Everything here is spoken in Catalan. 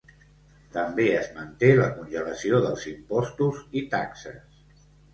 També es manté la congelació dels impostos i taxes.